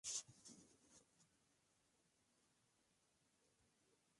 Sus riberas están coronadas por hermosas araucarias milenarias.